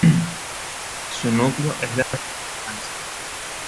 Su núcleo es la ciudad de Manizales.